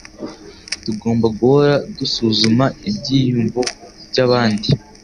Tugomba guhora dusuzuma ibyiyumvo byabandi.